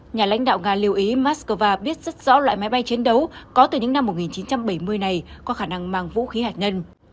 nhà lãnh đạo nga lưu ý moscow biết rất rõ loại máy bay chiến đấu có từ những năm một nghìn chín trăm bảy mươi này có khả năng mang vũ khí hạt nhân